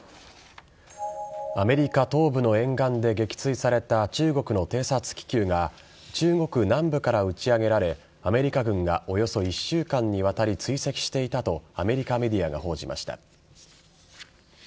アメリカ東部の沿岸で撃墜された中国の偵察気球が中国南部から打ち上げられアメリカ軍がおよそ１週間にわたり追跡していたとアメリカメディアが報じました。